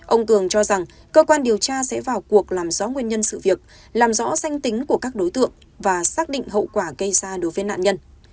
ông cường cho rằng cơ quan điều tra sẽ vào cuộc làm rõ nguyên nhân sự việc làm rõ danh tính của các đối tượng và xác định hậu quả gây ra đối với nạn nhân